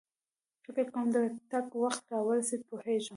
فکر کوم د تګ وخت را ورسېد، پوهېږم.